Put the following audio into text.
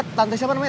tante siapa namanya